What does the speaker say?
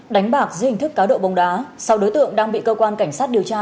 đánh bạc dưới hình thức cá độ bóng đá sáu đối tượng đang bị cơ quan cảnh sát điều tra